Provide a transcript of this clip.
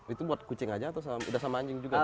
itu buat kucing aja atau udah sama anjing juga